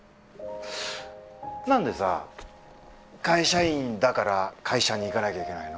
何でさ会社員だから会社に行かなきゃいけないの？